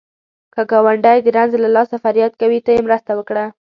که ګاونډی د رنځ له لاسه فریاد کوي، ته یې مرسته وکړه